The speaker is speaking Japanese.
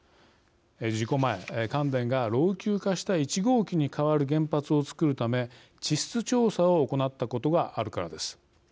事故前、関電が老朽化した１号機に代わる原発を作るため地質調査を行ったことがあるからです。